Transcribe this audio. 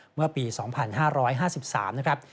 เมื่อปี๒๕๕๓นะครับ